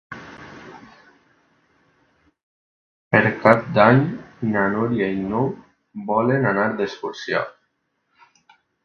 Per Cap d'Any na Núria i n'Hug volen anar d'excursió.